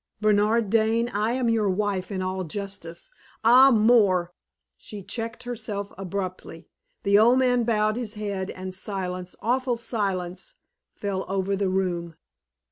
Bernard Dane, I am your wife in all justice ay, more " She checked herself abruptly. The old man bowed his head, and silence awful silence fell over the room.